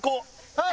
はい！